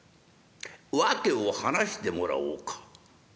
訳を話してもらおうか。